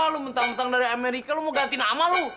lu mentang mentang dari amerika lu mau ganti nama lo